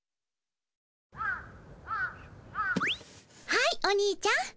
はいおにいちゃん。